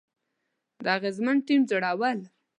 د اغیزمن ټیم جوړول،